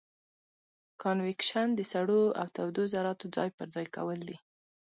کانویکشن د سړو او تودو ذرتو ځای پر ځای کول دي.